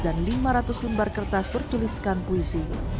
dan lima ratus lembar kertas bertuliskan puisi